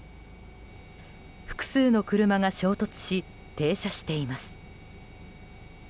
複数の車が衝突し停車しています。